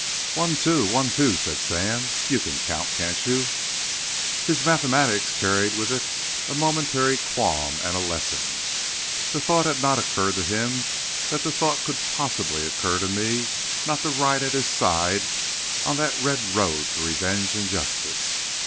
"One, two—one, two," said Sam. "You can count, can't you?" His mathematics carried with it a momentary qualm and a lesson. The thought had not occurred to him that the thought could possibly occur to me not to ride at his side on that red road to revenge and justice.